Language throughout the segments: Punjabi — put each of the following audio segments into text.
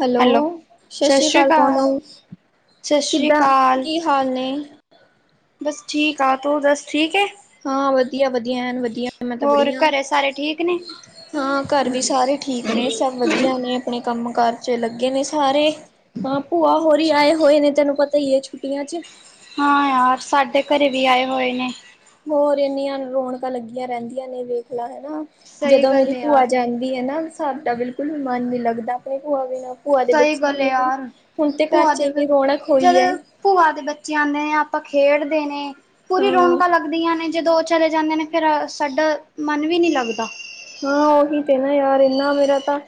ਹੈਲੋ ਸਸ਼ ਸਤਿ ਸ੍ਰੀ ਸ਼੍ਰੀ ਕਾਲ ਅਕਾਲ, ਭੈਣੇ ਸਤਿ ਸ਼੍ਰੀ ਕਿੱਦਾਂ ਅਕਾਲ। ਕੀ ਹਾਂਜੀ। ਬਸ ਠੀਕ ਆ ਤੂੰ ਦੱਸ ਠੀਕ ਏ? ਹਾਂ ਵਧੀਆ-ਵਧੀਆ ਐਨ ਵਧੀਆ। ਮੈਂ ਤਾਂ ਹੋਰ ਬੜੀਆ ਘਰੇ ਸਾਰੇ ਠੀਕ ਨੇ? ਹਾਂ ਘਰ ਵੀ ਸਾਰੇ ਠੀਕ ਨੇ ਸਭ ਵਧੀਆ ਨੇ। ਆਪਣੇ ਕੰਮ-ਕਾਰ ਚ ਲੱਗੇ ਨੇ ਸਾਰੇ। ਹਾਂ ਭੂਆ ਹੋਰੀ ਆਏ ਹੋਏ ਨੇ ਤੈਨੂੰ ਪਤਾ ਈ ਐ ਛੁੱਟੀਆਂ ਚ। ਹਾਂ ਯਾਰ ਸਾਡੇ ਘਰੇ ਵੀ ਆਏ ਹੋਏ ਨੇ। ਹੋਰ ਇੰਨੀਆਂ ਰੌਣਕਾਂ ਲੱਗੀਆਂ ਰਹਿੰਦੀਆਂ ਨੇ ਵੇਖ ਲਾ ਹਨਾ। ਸਹੀ ਜਦੋਂ ਗੱਲ ਮੇਰੀ ਏ ਭੂਆ ਯਾਰ, ਜਾਂਦੀ ਹੈ ਨਾ ਸਾਡਾ ਬਿਲਕੁਲ ਵੀ ਮਨ ਨੀ ਲੱਗਦਾ ਆਪਣੇ ਭੂਆ ਬਿਨਾਂ। ਭੂਆ ਦੇ ਸਹੀ ਬੱਚੇ ਗੱਲ ਏ ਕਿੰਨੇ ਕ ਯਾਰ, ਹੁਣ ਤੇ ਘਰ ਭੂਆ ਚ ਦੇ ਇੰਨੀ ਰੌਣਕ ਜਦ ਹੋਈ ਹੈ। ਭੂਆ ਦੇ ਬੱਚੇ ਆਉਂਦੇ ਨੇ ਆਪਾਂ ਖੇਡਦੇ ਨੇ ਪੂਰੀ ਹਾਂ ਰੌਣਕ ਲੱਗ। ਲਗਦੀਆਂ ਨੇ ਜਦੋਂ ਉਹ ਚਲੇ ਜਾਂਦੇ ਨੇ ਫੇਰ ਸਾਡਾ ਮਨ ਵੀ ਨਹੀਂ ਲੱਗਦਾ। ਹਾਂ ਉਹੀ ਤੇ ਨਾ ਯਾਰ ਇੰਨਾ ਮੇਰਾ ਤਾਂ।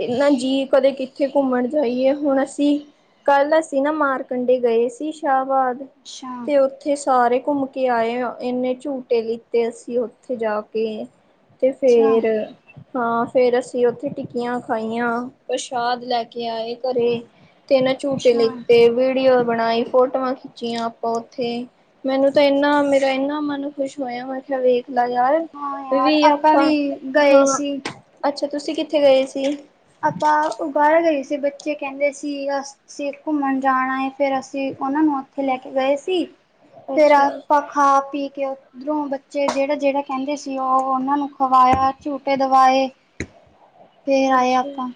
ਇਹਨਾ ਜੀਅ ਕਦੇ ਕਿੱਥੇ ਘੁੰਮਣ ਜਾਈਏ ਹੁਣ ਅਸੀਂ। ਕੱਲ ਅਸੀਂ ਨਾ ਮਾਰ ਕੰਢੇ ਗਏ ਹੋਏ ਸੀ ਸ਼ਾਹਬਾਦ ਅੱਛਾ, ਤੇ। ਉੱਥੇ ਸਾਰੇ ਘੁੰਮ ਕੇ ਆਏ ਇੰਨੇ ਝੂਟੇ ਲਿੱਤੇ ਅਸੀਂ ਉੱਥੇ ਜਾ ਕੇ। ਤੇ ਅੱਛਾ, ਫੇਰ। ਹਾਂ ਫੇਰ ਅਸੀਂ ਉੱਥੇ ਟਿੱਕੀਆਂ ਖਾਈਆਂ ਪ੍ਰਸ਼ਾਦ ਲੈ ਕੇ ਆਏ ਘਰੇ। ਤੇ ਮੈ ਝੂਟੇ ਅੱਛਾ। ਲਿਤੇ, ਵੀਡੀਓ ਬਣਾਈ, ਫੋਟੋਆਂ ਖਿੱਚੀਆਂ ਆਪਾਂ ਉੱਥੇ, ਮੈਨੂੰ ਤਾਂ ਅੱਛਾ। ਇੰਨਾ ਮੇਰਾ ਇੰਨਾ ਮਨ ਖੁਸ਼ ਹੋਇਆ ਮੈਂ ਕਿਹਾਿਆ ਵੇਖ ਲਾ ਯਾਰ ਹਾਂ ਯਾਰ ਆਪਾਂ ਵੀ ਆਹ ਗਏ ਹਾਂ ਸੀ। ਅੱਛਾ ਤੁਸੀਂ ਕਿੱਥੇ ਗਏ ਸੀ? ਆਪਾਂ ਉ ਬਾਹਰ ਗਏ ਸੀ ਬੱਚੇ ਕਹਿੰਦੇ ਸੀ। ਅਸੀਂ ਘੁੰਮਣ ਜਾਣਾ ਹੈ ਫੇਰ ਅਸੀਂ ਉਹਨਾਂ ਨੂੰ ਉੱਥੇ ਲੈ ਕੇ ਗਏ ਸੀ। ਫੇਰ ਅੱਛਾ ਆਪਾਂ ਖਾ- ਪੀ ਕੇ ਉਧਰੋਂ ਬੱਚੇ ਜਿਹੜਾ- ਜਿਹੜਾ ਕਹਿੰਦੇ ਸੀ ਉਹ ਉਹਨਾਂ ਨੂੰ ਖਵਾਇਆ, ਝੂਟੇ ਦਵਾਏ। ਫੇਰ ਆਏ ਅੱਛਾ ਆਪਾਂ।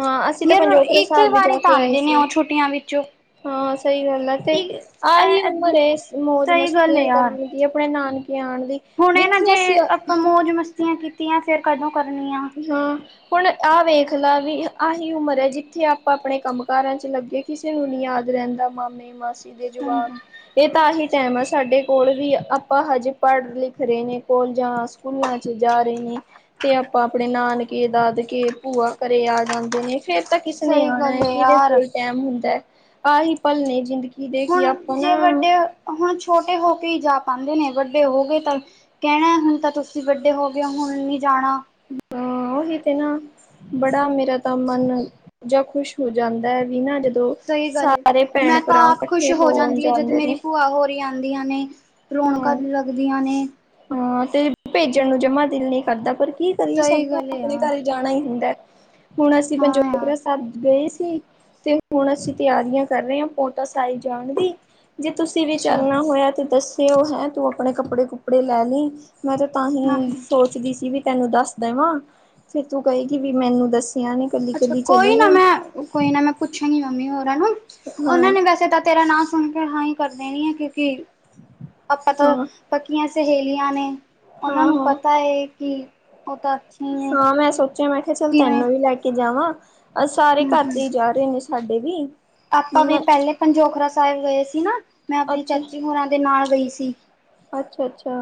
ਹਾਂ ਅਸੀਂ ਤਾਂ ਯਾਰ ਪੰਜੋਖਰ ਇੱਕ ਸਾਹਿਬ ਵੀ ਜਾ ਵਾਰੀ ਤਾਂ ਕੇ ਆਏ ਆਉਂਦੇ ਨੇ ਸੀ। ਉਹ ਛੁੱਟੀਆਂ ਵਿੱਚੋਂ ਹਾਂ ਸਹੀ ਗੱਲ ਆ ਤੇ ਆਹੀ ਉਮਰ ਐ ਮੌਜ ਸਹੀ ਗੱਲ ਮਸਤੀਆਂ ਕਰਨ। ਵੀ ਆਪਣੇ ਨਾਨਕੇ ਆਉਣ ਦੀ। ਹੁਣੇ ਨਾ ਜਿੱਥੇ ਜੇ ਅਸੀਂ ਆਪਾਂ ਮੌਜ ਮਸਤੀਆਂ ਕੀਤੀਆਂ ਫੇਰ ਕਦੋਂ ਕਰਨੀ ਆ। ਹਾਂ ਹੁਣ ਆਹ ਵੇਖ ਲਾ ਵੀ ਆਹੀ ਉਮਰ ਹੈ ਜਿੱਥੇ ਆਪਾਂ ਆਪਣੇ ਕੰਮ ਕਾਰਾਂ ਚ ਲੱਗੇ। ਕਿਸੇ ਨੂੰ ਨੀ ਯਾਦ ਰਹਿੰਦਾ ਮਾਮੇ, ਮਾਸੀ ਦੇ ਜਵਾਕ ਇਹ ਤਾਂ ਆਹੀ ਟੈਮ ਆ ਸਾਡੇ। ਕੋਲ ਵੀ ਆਪਾਂ ਹਜੇ ਪੜ- ਲਿਖ ਰਹੇ ਨੇ, ਕੋਲਜਾਂ, ਸਕੂਲਾਂ 'ਚ ਜਾ ਰਹੇ ਨੇ। ਤੇ ਆਪਾਂ ਆਪਣੇ ਨਾਨਕੇ, ਦਾਦਕੇ ਭੂਆ ਘਰੇ ਆ ਜਾਂਦੇ ਨੇ ਫੇਰ ਤਾਂ ਕਿਸਨੇ ਸਹੀ ਗੱਲ ਆਉਣਾ ਹੈ ਕਿਹਦੇ ਯਾਰ ਕੋਲ ਟੈਮ ਹੁੰਦਾ ਆਹੀ ਪਲ ਨੇ ਜਿੰਦਗੀ ਦੇ। ਹੁਣ ਕਿ ਆਪਾਂ ਜੇ ਨਾ ਵੱਡੇ ਹੁਣ ਛੋਟੇ ਹੋ ਕੇ ਹੀ ਜਾ ਪਾਉਦੇ ਨੇ ਵੱਡੇ ਹੋ ਗਏ ਤਾਂ। ਕਹਿਣਾ ਹੁਣ ਤਾਂ ਤੁਸੀਂ ਵੱਡੇ ਹੋ ਗਏ ਹੋ ਹੁਣ ਨਹੀਂ ਜਾਣਾ। ਹਾਂ ਉਹੀ ਤੇ ਨਾ। ਬੜਾ ਮੇਰਾ ਤਾਂ ਮਨ ਜਾਂ ਖੁਸ਼ ਹੋ ਜਾਂਦਾ ਹੈ ਬਿਨਾਂ ਜਦ। ਸਹੀ ਗੱਲ ਏ, ਮੈਂ ਤਾਂ ਆਪ ਖੁਸ਼ ਹੋ ਹੋਣ ਜਾਂਦੀ ਹੈ ਜਦ ਜਾਂਦੇ ਮੇਰੀ ਨੇ ਭੂਆ ਹੋਰ। ਆਂਦੀਆਂ ਨੇ ਰੌਣਕਾਂ ਹਾਂ ਲੱਗਦੀਆਂ ਨੇ। ਹਾਂ ਤੇ ਭੇਜਣ ਨੂੰ ਜਮਾ ਦਿਲ ਨ ਕਰਦਾ ਪਰ ਕੀ ਕਰੀਏ ਸਹੀ ਸਾਨੂੰ ਗੱਲ ਹੈ ਆਪਣੇ ਯਾਰ ਘਰ। ਜਾਣਾ ਹੀ ਹੁੰਦਾ ਹੁਣ ਅਸੀਂ ਹਾਂ ਯਾਰ ਪੰਜੋਰਾ ਸਾਹਿਬ ਗਏ ਸੀ ਤੇ। ਹੁਣ ਅਸੀਂ ਤਿਆਰੀਆਂ ਕਰ ਰਹੇ ਹਾਂ ਪੌਂਟਾ ਸਾਹਿਬ ਜਾਣ ਦੀ ਜੇ ਤੁਸੀਂ ਵੀ ਅੱਛਾ ਚੱਲਣਾ ਹੋਇਆ ਤੇ ਦੱਸ। ਤੇ ਉਹ ਹੈ ਤੂੰ ਆਪਣੇ ਕੱਪੜੇ ਕੁਪੜੇ ਲੈ ਲਈ, ਮੈਂ ਤਾਂ ਤਾਂ ਹੀ ਆਹੋ ਸੋਚਦੀ ਸੀ ਵੀ। ਤੈਨੂੰ ਦੱਸ ਦੇਵਾਂ, ਫੇਰ ਤੂੰ ਕਹੇਗੀ ਵੀ ਮੈਨੂੰ ਦੱਸਿਆ ਨੇ। ਅੱਛਾ ਕੋਈ ਨਾ, ਮੈਂ ਕੋਈ ਨਾ ਮੈਂ ਪੁੱਛਾਂਗੀ ਮੰਮੀ ਹੋਰਾਂ ਨੂੰ ਹਾਂ ਉਹਨਾਂ ਨੇ ਵੈਸੇ ਤਾਂ ਤੇਰਾ ਨ। ਸੁਣ ਕੇ ਹਾਂ ਹੀ ਕਰ ਦੇਣੀ ਆ ਕਿਉਂਕਿ ਆਪਾਂ ਤਾਂ। ਹਾਂ ਪੱਕੀਆਂ ਸਹੇਲੀਆਂ ਨੇ ਉਹਨਾਂ ਹਾਂ ਨੂੰ ਹਾਂ ਪਤਾ ਹੈ ਕਿ ਉਹ ਤਾਂ। ਨੇ ਹਾਂ ਮੈਂ ਸੋਚਿਆ ਮੈਂ ਕਿਹਾ ਚੱਲ ਕਿਵੇਂ ਤੈਨੂੰ ਵੀ ਲੈ ਕੇ ਜਾਵਾਂ, ਅ ਸਾਰੇ ਹਮ ਘਰ ਤੇ ਹਮ ਹੀ ਜਾ ਰਹੇ ਨੇ। ਸਾਡੇ ਵੀ। ਆਪਾਂ ਮਨ ਵੀ ਪਹਿਲੇ ਅੱਛਾ ਪੰਜੋਖਰਾ ਸਾਹਿਬ ਗਏ ਸੀ ਨਾ। ਮੈਂ ਆਪਣੇ ਅੱਛਾ ਚਾਚੀ ਹੋਰਾਂ ਦੇ ਨਾਲ ਗਈ ਸੀ। ਅੱਛਾ ਅੱਛਾ।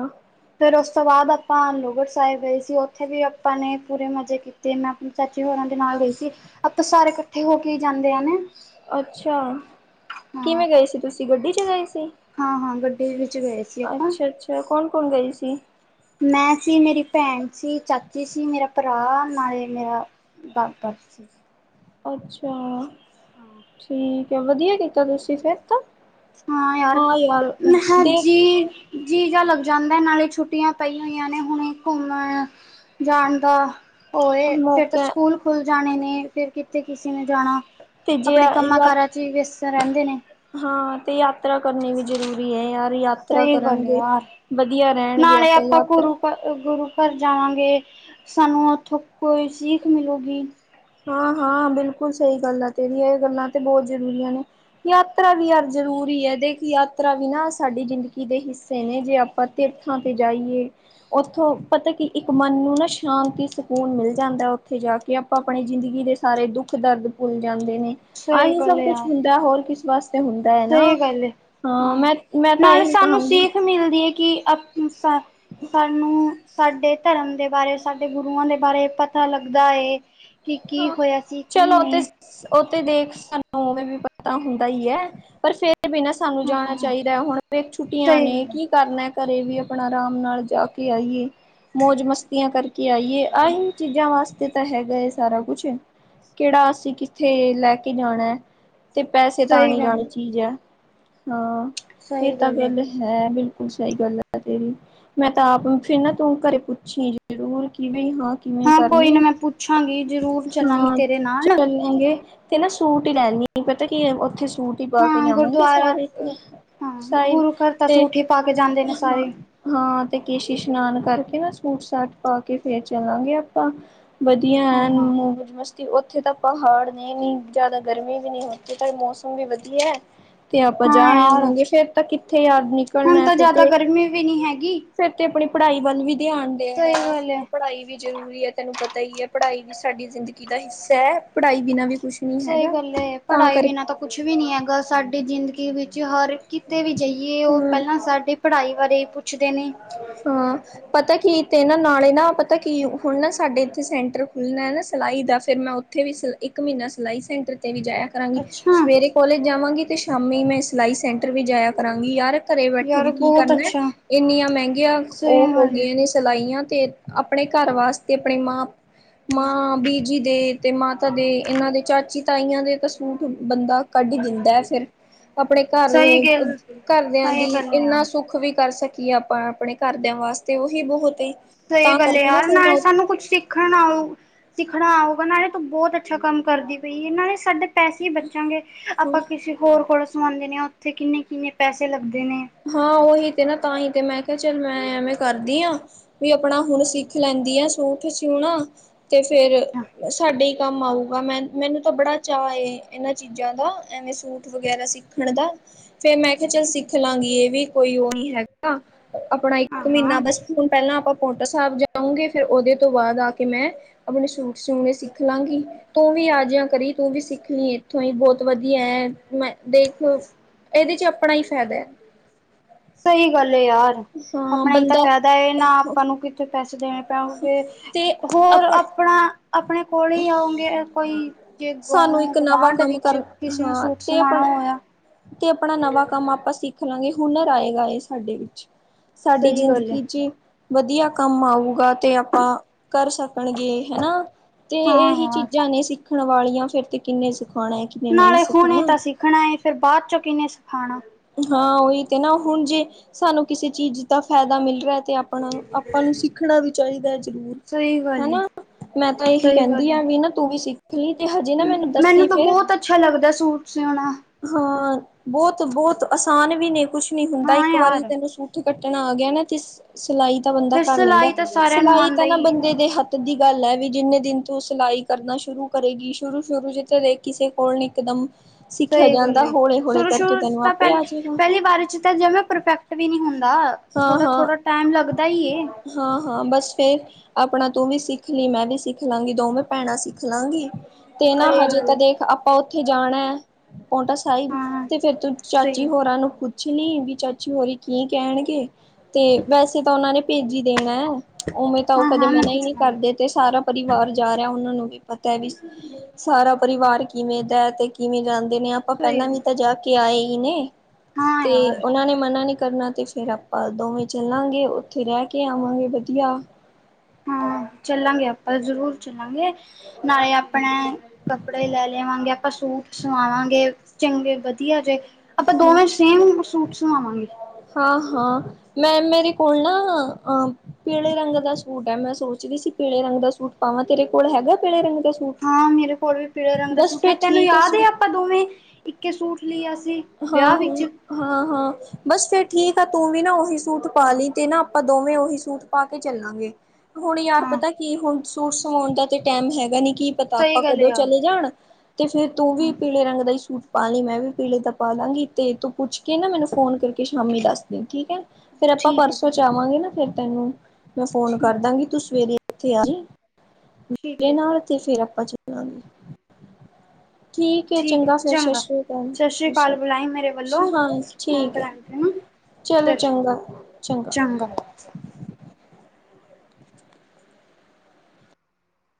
ਫਿਰ ਉਸ ਤੋਂ ਬਾਅਦ ਆਪਾਂ ਲੋੋਹਗੜ ਸਾਹਿਬ ਗਏ ਸੀ ਉੱਥੇ ਵੀ ਆਪਾਂ ਨੇ ਪੂਰੇ ਮਜ਼ੇ ਕੀਤੇ। ਤੇ ਮੈਂ ਆਪਣੇ ਚਾਚੀ ਹੋਰਾਂ ਦੇ ਨਾਲ ਗਈ ਸੀ। ਆਪਾਂ ਸਾਰੇ ਇਕੱਠੇ ਹੋ ਕੇ ਜਾਂਦੇ ਆ ਨੇ। ਅੱਛਾ, ਕਿਵੇਂ ਗਏ ਸੀ, ਤੁਸੀਂ? ਗੱਡੀ 'ਚ ਗਏ ਸੀ। ਹਾਂ-ਹਾਂ। ਗੱਡੀ ਵਿੱਚ ਗਏ ਸੀ ਆਪਾਂ ਅੱਛਾ-ਅੱਛਾ, ਕੌਣ-ਕੌਣ ਗਏ ਸੀ? ਮੈਂ ਸੀ, ਮੇਰੀ ਭੈਣ ਸੀ, ਚਾਚੀ ਸੀ, ਮੇਰਾ ਭਰਾ ਨਾਲੇ ਮੇਰਾ ਪਾਪਾ ਸੀ। ਅੱਛਾ। ਹਾਂ ਠੀਕ ਹੈ, ਵਧੀਆ ਕੀਤਾ ਤੁਸੀਂ ਫਿਰ ਤਾਂ ਹਾਂ ਯਾਰ, ਮੈਂ ਕਿਹਾ ਦੇਖ ਜੀ ਜੀ ਜਹਾ ਲੱਗ ਜਾਂਦਾ, ਨਾਲੇ ਛੁੱਟੀਆਂ ਪਈ ਹੋਈਆਂ ਨੇ ਹੁਣੇ ਘੁੰਮਣ ਜਾਣ ਦਾ ਹੋਏ, ਫਿਰ ਤਾਂ ਮੌਕਾ ਸਕੂਲ ਖੁੱਲ ਜਾਣੇ ਨੇ ਫਿਰ ਕਿਤੇ ਕਿਸੇ ਨੇ ਜਾਣਾ? ਤੇ ਜੇ ਆਪਣੇ ਕੰਮਾਂ ਯਾ ਕਾਰਾਂ ਚ ਵੀ ਵਿਅਸਤ ਰਹਿੰਦੇ ਨੇ। ਹਾਂ। ਤੇ ਯਾਤਰਾ ਕਰਨੀ ਵੀ ਜ਼ਰੂਰੀ ਐ ਯਾਰ। ਯਾਤਰਾ ਸਹੀ ਗੱਲ ਕਰਨਗੇ, ਯਾਰ ਵਧੀਆ ਰਹਿਣਗੇ ਨਾਲੇ ਆਪਾਂ ਯਾਤਰਾ ਗੁਰੂ ਘ ਗੁਰੂ ਘਰ ਜਾਵਾਂਗੇ। ਸਾਨੂੰ ਉੱਥੋਂ ਕੋਈ ਸਿੱਖ ਮਿਲੁਗੀ ਹਾਂ-ਹਾਂ, ਬਿਲਕੁਲ ਸਹੀ ਗੱਲ ਆ ਤੇਰੀ ਇਹ ਗੱਲਾਂ ਤੇ ਬਹੁਤ ਜ਼ਰੂਰੀਆਂ ਨੇ। ਯਾਤਰਾ ਵੀ ਹਰ ਜ਼ਰੂਰੀ ਐ, ਦੇਖ ਯਾਤਰਾ ਵੀ ਨਾ ਸਾਡੀ ਜ਼ਿੰਦਗੀ ਦੇ ਹਿੱਸੇ ਨੇ ਜੇ ਆਪ ਤੀਰਥਾਂ ਤੇ ਜਾਈਏ। ਉੱਥੋਂ ਪਤਾ ਕਿ ਇੱਕ ਮਨ ਨੂੰ ਨਾ ਸ਼ਾਂਤੀ ਸਕੂਨ ਮਿਲ ਜਾਂਦਾ ਐ, ਉੱਥੇ ਜਾ ਕੇ ਆਪ ਆਪਣੀ ਜ਼ਿੰਦਗੀ ਦੇ ਸਾਰੇ ਦੁੱਖ ਦਰਦ ਭੁੱਲ ਜਾਂਦੇ ਨੇ। ਸਹੀ ਆਹੀ ਗੱਲ ਸਭ ਕੁੱਛ ਯਾਰ ਹੁੰਦਾ ਹੋਰ ਕਿਸ ਵਾਸਤੇ ਹੁਣ ਸਹੀ ਗੱਲ ਹੈ, ਹਾਂ। ਮੈਂ ਤਾਂ ਨਾਲੇ ਇਹੀ ਸਾਨੂੰ ਕਹਾਂਗੀ ਸਿੱਖ ਮਿਲਦੀ ਹੈ ਕਿ ਅ ਸਾਨੂੰ ਸਾਡੇ ਧਰਮ ਦੇ ਬਾਰੇ ਸਾਡੇ ਗੁਰੂਆਂ ਦੇ ਬਾਰੇ ਪਤਾ ਲੱਗਦਾ ਏ। ਕਿ ਕੀ ਹਾਂ ਹੋਇਆ ਸੀ?, ਕੀ ਚਲੋ ਉਹ ਤੇ ਨੀ। ਉਹ ਤੇ ਦੇਖ ਸਾਨੂੰ ਉਵੇਂ ਵੀ ਪਤਾ ਹੁੰਦਾ ਹੀ ਐ, ਪਰ ਫੇਰ ਬਿਨਾਂ ਸਾਨੂੰ ਹਾਂ ਜਾਣਾ ਹਾਂ ਚਾਹੀਦਾ ਐ, ਹੁਣ ਛੁੱਟੀਆਂ ਸਹੀ ਨੇ ਗੱਲ ਕੀ ਕਰਨਾ ਆਂ ਘਰੇ ਵੀ ਆਪਣਾ ਆਰਾਮ ਨਾਲ ਜਾ ਕੇ ਆਈਏ, ਮੌਜ ਮਸਤੀਆਂ ਕਰਕੇ ਕਿ ਆਏ ਆਹੀ ਚੀਜ਼ਾਂ ਵਾਸਤੇ ਤਾਂ ਹੈਗਾਏ। ਸਾਰਾ ਕੁਛ ਕਿਹੜਾ ਅਸੀਂ ਕਿੱਥੇ ਲੈ ਕੇ ਜਾਣਾ ਐ, ਤੇ ਪੈਸੇ ਤਾਂ ਸਹੀ ਨਹੀਂ ਗੱਲ ਜਾਣੇ ਚੀਜ਼ ਐ, ਹਾਂ। ਇਹ ਸਹੀ ਤਾਂ ਏ ਗੱਲ ਹੈ, ਬਿਲਕੁਲ ਸਹੀ ਗੱਲ ਆ ਤੇਰੀ। ਮੈਂ ਤਾਂ ਆਪ ਫਿਰ ਨਾ ਤੂੰ ਘਰੇ ਪੁੱਛੀ ਜ਼ਰੂਰ ਕਿ ਬ ਹਾਂ ਕਿਵੇਂ ਕੋਈ ਕਰਨੀ ਆ? ਨਾ ਮੈਂ ਪੁੱਛਾਂਗੀ ਜ਼ਰੂਰ ਚੱਲਾਂਗੀ ਹਾਂ। ਤੇਰੇ ਨਾਲ ਚੱਲਾਂਗੇ ਤੇ ਨਾ ਸੂਟ ਹੀ ਲੈਦੀ ਪਤਾ ਕੀ ਉੱਥੇ ਸੂਟ ਸੂਟੀ ਪਾ ਕੇ ਹਾਂ ਜਾਵਾਂਗੇ, ਗੁਰਦੁਆਰਾ ਸਾਰੇ ਹਾਂ ਸਾਈ ਗੁਰੂ ਘਰ ਤਾਂ ਤੇ ਸੂਟ ਹੀ ਪਾ ਕੇ ਜਾਂਦੇ ਨੇ ਹ ਸਾਰੇ ਹਾਂ, ਤੇ ਕੇਸ਼ੀ ਇਸ਼ਨਾਨ ਕਰਕੇ ਨਾ ਸੂਟ ਸਾਟ ਪਾ ਕੇ ਫੇਰ ਚੱਲਾਂਗੇ ਆਪਾਂ। ਹਾਂ ਹਾਂ ਮੌਜ ਮਸਤੀ ਤੇ ਉੱਥੇ ਤਾਂ ਪਹਾੜ ਨਹੀਂ ਨ ਜਿਆਦਾ, ਗਰਮੀ ਵੀ ਨਹੀਂ ਉਥੇ ਤਾਂ ਮੌਸਮ ਵੀ ਵਧੀਆ ਐ। ਤੇ ਆਪਾਂ ਜਾ ਹਾਂ ਯਾਰ ਆਵਾਂਗੇ, ਫੇਰ ਤਾਂ ਕਿੱਥੇ ਯਾਦ ਹੁਣ ਨਿਕਲਣਾ ਤਾਂ ਫਿਰ ਜ਼ਿਆਦਾ ਤੇ ਗਰਮੀ ਵੀ ਨਹੀਂ ਹੈਗੀ ਫੇਰ ਤੇ ਆਪਣੀ ਪੜ੍ਹਾਈ ਵੱਲ ਵੀ ਧਿਆਨ ਦੇਣ ਸਹੀ ਗੱਲ ਏ ਐ, ਪੜ੍ਹਾਈ ਵੀ ਜ਼ਰੂਰੀ ਐ, ਤੈਨੂੰ ਪਤਾ ਹੀ ਐ। ਪੜ੍ਹਾਈ ਵੀ ਸਾਡੀ ਜ਼ਿੰਦਗੀ ਦਾ ਹਿੱਸਾ ਐ, ਪੜ੍ਹਾਈ ਬਿਨਾਂ ਵੀ ਕੁੱਛ ਸਹੀ ਗੱਲ ਐ, ਪੜ੍ਹਾਈ ਵੀ ਨਾ ਤਾਂ ਕੁੱਛ ਵੀ ਨਹੀਂ ਹੈਗਾ ਸਾਡੀ ਜ਼ਿੰਦਗੀ ਵਿੱਚ ਹਰ ਕਿਤੇ ਵੀ ਜਾਈਏ, ਉਹ ਹਮ ਪਹਿਲਾਂ ਸਾਡੇ ਪੜ੍ਹਾਈ ਬਾਰੇ ਪੁੱਛਦੇ ਨੇ। ਹਾਂ। ਪਤਾ ਕਿ ਅਤੇ ਨਾ, ਨਾਲੇ ਨਾ ਪਤਾ ਕਿ ਹੁਣ ਨਾ ਸਾਡੇ ਇੱਥੇ ਸੈਂਟਰ ਖੁੱਲ੍ਹਣਾ ਐ ਨਾ ਸਿਲਾਈ ਦਾ ਫਿਰ ਮੈਂ ਉੱਥੇ ਵੀ ਸ ਇੱਕ ਮਹੀਨਾ ਸਿਲਾਈ ਸੈਂਟਰ 'ਤੇ ਵੀ ਜਾਇਆ। ਕਰਾਂਗੀ। ਅੱਛਾ ਸਵੇਰੇ ਕੋਲਜ ਜਾਵਾਂਗੀ ਅਤੇ ਸ਼ਾਮੀ ਮੈਂ ਸਿਲਾਈ ਸੈਂਟਰ ਵੀ ਜਾਇਆ ਕਰਾਂਗੀ, ਯਾਰ ਘਰੇ ਬੈਠੇ ਵੀ ਯਾਰ ਕੀ ਬਹੁਤ ਕਰਨਾ? ਅੱਛਾ ਇੰਨੀਆਂ ਮਹਿੰਗੀਆਂ ਉਹ ਸਹੀ ਹੋ ਗੱਲ ਗਈਆਂ ਨੇ ਸਿਲਾਈਆਂ ਤੇ ਆਪਣੇ ਘਰ ਵਾਸਤੇ ਆਪਣੇ ਮਾਂ ਮਾਂ, ਬੀਜੀ ਦੇ ਤੇ ਮਾਤਾ ਦੇ ਇਹਨਾਂ ਦੇ ਚਾਚੀ- ਤਾਈਆਂ ਦੇ ਤਾਂ ਸੂਟ ਬੰਦਾ ਕੱਢ ਦਿੰਦਾ ਐ ਫਿਰ। ਆਪਣੇ ਘਰ ਸਹੀ ਗੱਲ ਘਰਦਿਆਂ ਸਹੀ ਦੀ ਗੱਲ ਆ ਇੰਨਾ ਸੁੱਖ ਵੀ ਕਰ ਸਕੇ ਕਿ ਆਪਾਂ ਆਪਣੇ ਘਰਦਿਆਂ ਵਾਸਤੇ ਉਹੀ ਬਹੁਤ ਤਾਂ ਇਹ ਗੱਲ ਕਰਕੇ ਨਾ ਯਾਰ ਫਿਰ ਨਾਲ ਮੈਂ ਸਾਨੂੰ ਕੁੱਛ ਸਿੱਖ ਸਿੱਖਣ ਆਊ ਸਿੱਖਣਾ ਆਊਗਾ ਨਾਲੇ ਤੋਂ ਬਹੁਤ ਅੱਛਾ ਕੰਮ ਕਰਦੀ ਪਈ ਹੈ ਨਾਲੇ ਸਾਡੇ ਪੈਸੇ ਹੀ ਬਚਾਂਗੇ ਹਾਂ ਆਪਾਂ ਕਿਸੇ ਹੋਰ ਕੋਲੋਂ ਸਵਾਉਂਦੇ ਹਾਂ ਉੱਥੇ ਕਿੰਨੇ ਕਿੰਨੇ ਪੈਸੇ ਲੱਗਦੇ ਨੇ ਹਾਂ ਉਹੀ ਤੇ ਨਾ ਤਾਂ ਹੀ ਤੇ ਮੈਂ ਕਿਹਾ ਚੱਲ ਮੈਂ ਐਵੇਂ ਕਰਦੀ ਹ ਵੀ ਆਪਣਾ ਹੁਣ ਸਿੱਖ ਲੈਂਦੀ ਆ ਸੂਟ ਸਿਊਣਾ ਤੇ ਫੇਰ। ਅੱਛਾ ਸਾਡੇ ਹੀ ਕੰਮ ਆਊਗਾ ਮੈਂ ਮੈਨੂੰ ਤਾਂ ਬੜਾ ਚਾ ਏ, ਇਹਨਾਂ ਚੀਜ਼ਾਂ ਦਾ ਐਵੇਂ ਸੂਟ ਵਗੈਰਾ ਸਿੱਖ। ਸਿੱਖਣ ਦਾ ਫੇਰ ਮੈਂ ਕਿਹਾ ਚੱਲ ਸਿੱਖ ਲਾਂਗੀ। ਇਹ ਵੀ ਕੋਈ ਉਹ ਨੀ ਹੈਗਾ। ਆਪਣਾ ਹਾਂ ਇੱਕ ਮਹੀਨਾ ਹਾਂ ਬਸ। ਹੁਣ ਪਹਿਲਾਂ ਆਪਾਂ ਪੋਂਟਾ ਸਾਹਿਬ ਜਾਊਗੇ। ਫਿਰ ਉਹਦੇ ਤੋਂ ਬਾਅਦ ਆ ਕੇ ਮੈਂ। ਆਪਣੇ ਸੂਟ ਸਿਉਣੇ ਸਿੱਖ ਲਾਂਗੀ। ਤੂੰ ਵੀ ਆ ਜਿਆ ਕਰੀ ਤੂੰ ਵੀ ਸਿੱਖ ਲਈ ਇੱਥੋਂ ਹੀ ਬਹੁਤ ਵਧੀਆ ਹੈ। ਮੈਂ ਦੇਖ ਇਹਦੇ ਚ ਆਪਣਾ ਹੀ ਫਾਇਦਾ ਹੈ। ਸਹੀ ਗੱਲ ਏ ਯਾਰ ਹਾਂ ਆਪਣੇ ਹੀ ਤਾਂ ਬੰਦਾ ਫ਼ਾਇਦਾ ਨਾ ਆਪਾਂ ਨੂੰ ਕਿੱਥੇ ਪੈਸੇ ਦੇਣੇ। ਪਉਗੇ ਤੇ ਹੋਰ ਆਪਣ ਆਪਣਾ ਆਪਣੇ ਕੋਲ ਹੀ ਆਉਗੇ ਕੋਈ। ਜੇ ਅੱਗੋ ਸਾਨੂੰ ਇੱਕ ਨਵਾਂ ਗੁਵਾਂਢ ਕੰਮ ਵਿੱਚ, ਕਰਨ ਕਿਸੇ ਨੂੰ ਹਾਂ ਸੂਟ ਤੇ ਆਪਣ ਸਮਵਾਉਣਾ ਹੋਇਆ। ਤੇ ਆਪਣਾ ਨਵਾਂ ਕੰਮ ਆਪਾਂ ਸਿੱਖ ਲਵਾਂਗੇ, ਹੁਨਰ ਆਏਗਾ ਇਹ ਸਾਡੇ ਵਿੱਚ। ਸਾਡੀ ਸਹੀ ਗੱਲ ਹੈ ਜ਼ਿੰਦਗੀ ਚ ਵਧੀਆ ਕੰਮ ਆਊਗਾ ਤੇ ਆਪਾਂ। ਕਰ ਸਕਣਗੇ ਹੈਨਾ ਤੇ ਹਾਂ ਇਹੀ ਯਾਰ ਚੀਜ਼ਾਂ ਨੇ। ਸਿੱਖਣ ਵਾਲੀਆਂ ਫਿਰ ਤੇ ਕਿੰਨੇ ਸਿਖਾਣਾ ਹੈ। ਕਿੰਨੇ ਨਹੀਂ ਨਾਲੇ ਹੁਣੇ ਸਿਖਾਉਣਾ। ਤਾਂ ਸਿੱਖਣਾ ਏ ਫਿਰ ਬਾਅਦ ਚੋਂ ਕਿਹਨੇ ਸਿਖਾਉਣਾ। ਹਾਂ ਉਹੀ ਤੇ ਨਾ ਹੁਣ ਜੇ ਸਾਨੂੰ ਕਿਸੇ ਚੀਜ਼ ਦਾ ਫਾਇਦਾ ਮਿਲ ਰਿਹਾ ਤੇ। ਆਪਣਾ ਨੂੰ ਆਪਾਂ ਨੂੰ ਸਿੱਖਣਾ ਵੀ ਚਾਹੀਦਾ ਹੈ ਜ਼ਰੂਰ ਸਹੀ ਗੱਲ ਹੈ ਹੈਨਾ, ਮੈਂ ਤਾਂ ਇਹੀ ਸਹੀ ਕਹਿੰਦੀ ਗੱਲ ਹੈ ਆ ਵੀ ਨਾ ਤੂੰ ਵੀ ਸਿੱਖ। ਨਹੀਂ ਤੇ ਹਜੇ। ਨਾ ਦੱਸੀ ਮੈਨੂੰ ਤਾਂ ਫੇਰ ਬਹੁਤ ਅੱਛਾ ਲੱਗਦਾ ਸੂਟ ਸਿਉਣਾ। ਹਾਂ ਬਹੁਤ, ਬਹੁਤ ਆਸਾਨ ਵੀ ਨੇ ਕੁਛ ਨੀ ਹੁੰਦਾ ਹਾਂ ਇੱਕ ਵਾਰੀ ਯਾਰ ਤੈਨੂੰ ਸੂ ਕੱਟਣਾ ਆ ਗਿਆ ਨਾ ਤੇ ਸਿਲਾਈ ਤਾਂ ਬੰਦਾ ਫਿਰ ਕਰ ਲੈਂਦਾ, ਸਿਲਾਈ ਤਾਂ ਸਾਰਿਆਂ ਨੂੰ ਸਿਲਾਈ ਆਉਂਦਾ ਤਾਂ ਨਾ ਹੀ ਬੰਦੇ ਦੇ ਹੱਥ ਦੀ ਗੱਲ ਐ ਵੀ ਜਿੰਨੇ ਦਿਨ ਤੂੰ ਸਿਲਾਈ ਕਰਨਾ ਸ਼ੁਰੂ ਕਰੇਗੀ ਸ਼ੁਰੂ ਸ਼ੁਰੂ ਚ ਤੇ ਕਿਸੇ ਕੋਲ ਨ ਇਕਦਮ ਸਿੱਖਿਆ ਸਹੀ ਗੱਲ ਜਾਂਦਾ ਏ ਹੌਲੇ, ਹੌਲੈ ਸ਼ੁਰੂ ਕਰਕੇ ਸ਼ੁਰੂ ਚ ਤੈਨੂੰ ਅਪ ਤਾਂ ਪਹਿ ਪਹਿਲੀ ਵਾਰੀ ਚ ਤਾਂ ਜਵੇ ਪਰਫੈਕਟ ਵੀ ਨੀਂ ਹੁੰਦਾ ਥੋੜਾ-ਥੋੜਾ ਟਾਈਮ ਲੱਗਦਾ ਈ ਏ। ਹਾਂ, ਹਾਂ ਬਸ ਫੇਰ ਆਪਣਾ ਤੂੰ ਵੀ ਸਿੱਖ ਲਈ, ਮੈਂ ਵੀ ਸਿੱਖ ਲਾਂਗੀ ਦੋਵੇਂ ਭੈਣਾਂ ਸਿੱਖ ਲਾਂਗੀ। ਤੇ ਸਹੀ ਨਾ ਹਜੇ ਗੱਲ ਤਾਂ ਏ ਦੇਖ ਆਪਾਂ ਉੱਥੇ ਜਾਣਾ ਪੋਂਟਾਸ ਸਾਹਿਬ ਹਾਂ ਤੇ ਫੇਰ ਤੂੰ ਸਹੀ ਚਾਚੀ ਗੱਲ ਹੋਰਾਂ ਨੂੰ ਪੁੱਛ ਲੀ ਵੀ ਚਾਚੀ ਹੋਰੀ ਕੀ ਕਹਿਣ ਗੇ ਤੇ ਵੈਸੇ ਤਾਂ ਉਹਨਾ ਨੇ ਭੇਜੀ ਦੇਣਾ ਐ, ਉਵੇਂ ਤਾਂ ਉਹ ਹਾਂ ਕਦੇ ਹਾਂ ਮੈਂ ਮਨਾ ਈ ਪੁੱਛ ਨ੍ਹੀਂ ਲਾਂਗੀ ਕਰਦੇ। ਤੇ ਸਾਰਾ ਪਰਿਵਾਰ ਜਾ ਰਿਹਾ, ਉਹਨਾਂ ਨੂੰ ਵੀ ਪਤਾ ਐ ਵੀ ਸਾਰਾ ਪਰਿਵਾਰ ਕਿਵੇਂ ਦਾ ਤੇ ਕਿਵੇਂ ਜਾਂਦੇ ਨੇ ਅਪ ਆਪਾਂ ਸਹੀ ਪਹਿਲਾਂ ਗੱਲ, ਵੀ ਤਾਂ ਜਾ ਕੇ ਆਏ ਈ ਨੇ ਹਾਂ ਤੇ ਯਾਰ ਉਹਨਾਂ ਨੇ ਮਨਾ ਨੀ ਕਰਨਾ ਤੇ ਫਿਰ ਆਪਾਂ ਦੋਵੇਂ ਚੱਲਾਂਗੇ ਉੱਥੇ ਰਹਿ ਕੇ ਆਵਾਂਗੇ ਵਧੀਆ ਹਾਂ, ਚੱਲਾਂਗੇ ਆਪਾਂ ਜ਼ਰੂਰ ਚੱਲਾਂਗੇ। ਨਾਲੇ ਆਪਣੇ ਕੱਪੜੇ ਲੈ ਲਵਾਂਗੇ ਆਪਾਂ ਸੂਟ ਸਵਾਵਾਂਗੇ ਚੰਗੇ ਵਧੀਆ ਜੇ ਆਪਾਂ ਦੋਵੇਂ ਸੇਮ ਸੂਟ ਸੁਵਾਵਾਂਗੇ। ਹਾਂ, ਹਾਂ ਮੈਂ ਮੇਰੇ ਕੋਲ ਨਾ ਅ ਪੀਲੇ ਰੰਗ ਦਾ ਸੂਟ ਐ ਮੈਂ ਸੋਚਦੀ ਸੀ ਪੀਲੇ ਰੰਗ ਦਾ ਸੂਟ ਪਾਵਾਂ ਤੇਰੇ ਕੋਲ ਹੈਗਾ ਪੇਲੇ ਰੰਗ ਦਾ ਸੂ ਹਾਂ ਮੇਰੇ ਕੋਲ ਵੀ ਪੀਲੇ ਰੰਗ ਦਾ ਸੂਟ ਹੈ ਤੈਨੂੰ ਠੀਕ ਯਾਦ ਐ ਸੂਟ ਆਪਾਂ ਦੋਵੇਂ ਇੱਕੇ ਸੂਟ ਲੀਆ ਸੀ। ਹਾਂ ਵਿਆਹ ਵਿੱਚ ਹਾਂ, ਹਾਂ ਹਾਂ, ਬਸ ਫੇਰ ਠੀਕ ਆ ਤੂੰ ਵੀ ਨਾ ਉਹੀ ਸੂਟ ਪਾ ਹਾਂ ਲਈ ਤੇ ਨਾ ਆਪਾਂ ਦੋਵੇਂ ਉਹੀ ਸੂਟ ਪਾ ਕੇ ਚੱਲਾਂਗੇ। ਹੁਣ ਯਾਰ ਹਾਂ ਪਤਾ ਕੀ ਹੁਣ ਝੂਟ ਸਵਾਉਣ ਦਾ ਤੇ ਟਾਈਮ ਹੈਗਾ ਨੀ ਕੀ ਪਤਾ ਸਹੀ ਆਪਾਂ ਗੱਲ ਹੈ ਕਦੋਂ ਯਾਰ ਚਲੇ ਜਾਣ ਤੇ ਫੇਰ ਤੂੰ ਵੀ ਹੂੰ ਪੀਲੇ ਰੰਗ ਦਾ ਈ ਸੂਟ ਪਾ ਲਈ ਮੈਂ ਵੀ ਪੀਲੇ ਦਾ ਪਾ ਲਾਂਗੀ ਤੇ ਤੂੰ ਪੁੱਛ ਕੇ ਨਾ ਮੈਨੂੰ ਫੋਨ ਕਰਕੇ ਸ਼ਾਮੀ ਦੱਸਦੀ ਠੀਕ ਐ। ਫੇਰ ਆਪਾਂ ਠੀਕ ਹੈ ਪਰਸੋਂ ਚ ਜ਼ਰੂਰ ਆਵਾਂਗੇ ਨਾ ਫਿਰ ਤੈਨੂੰ ਮੈਂ ਫੋਨ ਠੀਕ ਕਰ ਦਾਂਗੀ ਤੂੰ ਸਵੇਰੇ ਇਥੇ ਆਜੀ ਠੀਕ ਮੇਰੇ ਹੈ ਨਾਲ ਤੇ ਫਿਰ ਆਪਾਂ ਚੱਲਾਂਗੇ। ਠੀਕ ਏ, ਚੰਗਾ ਫੇਰ ਸਤਿ ਸ੍ਰੀ ਅਕਾਲ। ਸਤਿ ਸ੍ਰੀ ਕਰ ਅਕਾਲ। ਬੁਲਾਈ ਮੇਰੇ ਵੱਲੋਂ ਹਾਂ [unintelligible] ਠੀਕ ਹੈ। ਚਲੋ ਸਸ ਸੀ਼ ਚੰਗਾ ਚੰਗਾ ਚੰ [inaudible]